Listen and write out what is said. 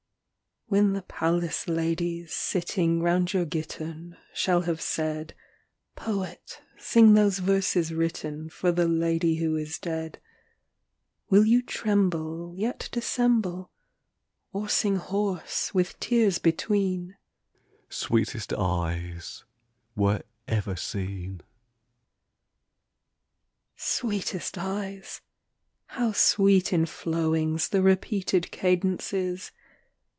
XIII. When the palace ladies, sitting Round your gittern, shall have said, "Poet, sing those verses written For the lady who is dead," Will you tremble Yet dissemble, Or sing hoarse, with tears between, "Sweetest eyes were ever seen"? XIV. "Sweetest eyes!" how sweet in flowings The repeated cadence is!